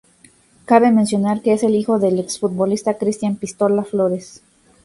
Cabe mencionar que es hijo del ex-futbolista Cristián "Pistola" Flores.